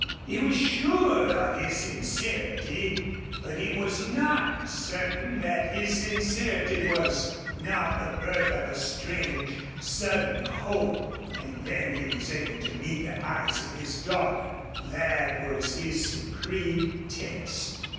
He was sure of his sincerity, but he was not certain that his sincerity was not the birth of a strange, sudden hope. And then he was able to meet the eyes of his daughter. That was his supreme test.